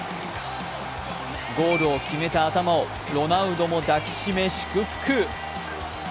ゴールを決めた頭をロナウドも抱きしめ祝福。